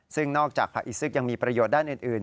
ซึ่งนอกจากผักอีซึกยังมีประโยชน์ด้านอื่น